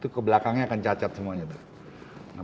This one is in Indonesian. kebelakangnya akan cacat semuanya